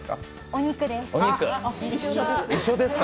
お肉です。